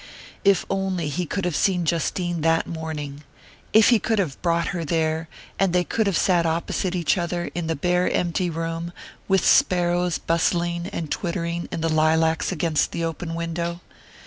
If only he could have seen Justine that morning! If he could have brought her there, and they could have sat opposite each other, in the bare empty room, with sparrows bustling and twittering in the lilacs against the open window!